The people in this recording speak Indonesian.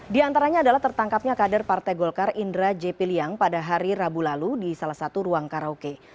di antaranya adalah tertangkapnya kader partai golkar indra j piliang pada hari rabu lalu di salah satu ruang karaoke